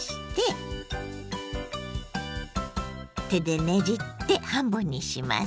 手でねじって半分にします。